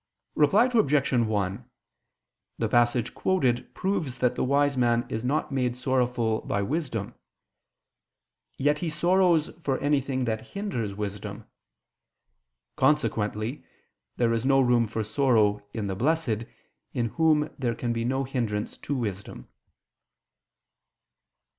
Reply Obj. 1: The passage quoted proves that the wise man is not made sorrowful by wisdom. Yet he sorrows for anything that hinders wisdom. Consequently there is no room for sorrow in the blessed, in whom there can be no hindrance to wisdom.